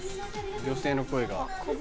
・女性の声が。